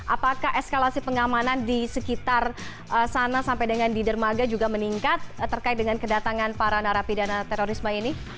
apakah eskalasi pengamanan di sekitar sana sampai dengan di dermaga juga meningkat terkait dengan kedatangan para narapidana terorisme ini